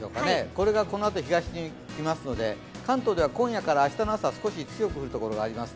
これがこのあと東に来ますので関東では今夜から明日の朝、少し強く降る所があります。